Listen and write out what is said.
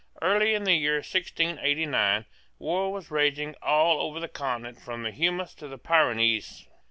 Early in the year 1689 war was raging all over the Continent from the Humus to the Pyrenees.